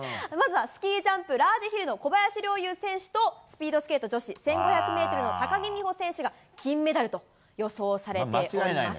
まずはスキージャンプラージヒルの小林陵侑選手とスピードスケート女子１５００ｍ高木美帆選手が金メダル予想。